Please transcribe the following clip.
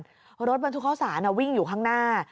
เพราะรถบรรทุกเข้าศาลอ่ะวิ่งอยู่ข้างหน้า